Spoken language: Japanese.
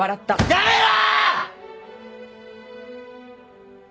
やめろ‼